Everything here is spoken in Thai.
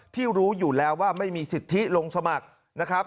รู้อยู่แล้วว่าไม่มีสิทธิลงสมัครนะครับ